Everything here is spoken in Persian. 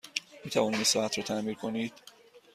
می توانید این ساعت را تعمیر کنید؟